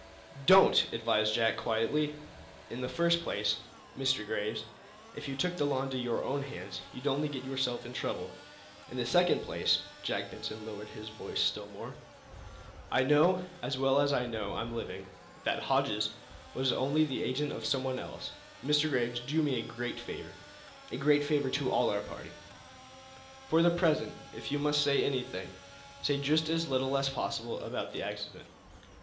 "Don't!" advised Jack, quietly. "In the first place, Mr. Graves, if you took the law into your own hands, you'd only get yourself into trouble. In the second place" Jack Benson lowered his voice still more "I know, as well as I know I'm living, that Hodges was only the agent of some one else. Mr. Graves, do me a great favor a great favor to all our party. For the present, if you must say anything, say just as little as possible about the accident.